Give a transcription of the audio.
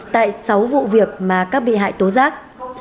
tại sáu vụ việc mà các bị hại tố giác